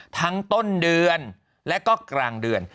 ทั้งต้นเดือนและก็กลางเดือน